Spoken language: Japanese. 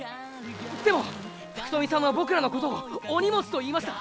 でも福富さんはボクらのことをお荷物と言いました！